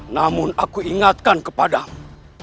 namun aku ingatkan kepadamu